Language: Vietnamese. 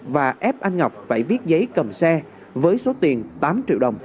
và ép anh ngọc phải viết giấy cầm xe với số tiền tám triệu đồng